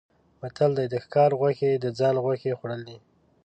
متل دی: د ښکار غوښې د ځان غوښې خوړل دي.